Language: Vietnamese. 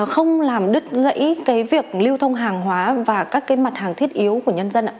không làm đứt gãy cái việc lưu thông hàng hóa và các cái mặt hàng thiết yếu của nhân dân ạ